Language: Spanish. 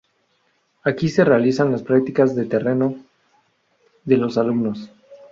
Aquí se realizan las prácticas de terreno de los alumnos.